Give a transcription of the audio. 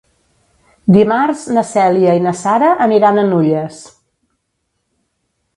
Dimarts na Cèlia i na Sara aniran a Nulles.